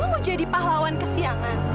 mau jadi pahlawan kesiangan